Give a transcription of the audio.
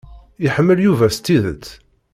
Iḥemmel Yuba s tidet.